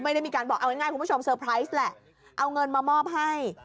ไม่ได้มีการแบบเอาง่ายคุณผู้ชมเอาเงินมามอบให้